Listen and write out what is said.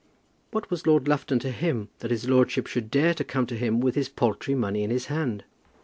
What was Lord Lufton to him that his lordship should dare to come to him with his paltry money in his hand?